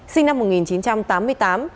sinh năm một nghìn chín trăm tám mươi tám